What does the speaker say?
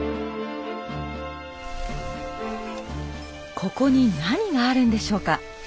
ここに何があるんでしょうか？